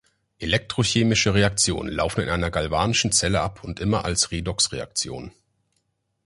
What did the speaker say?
Elektrochemische Reaktionen laufen in einer galvanischen Zelle ab und immer als Redoxreaktionen.